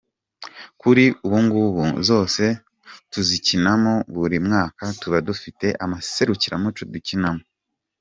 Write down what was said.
Kuri ubungubu zose tuzikinamo buri mwaka tuba dufite amaserukiramuco dukinamo.